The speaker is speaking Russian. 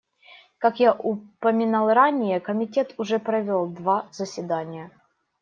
Как я упоминал ранее, Комитет уже провел два заседания.